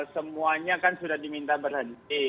semuanya kan sudah diminta berhenti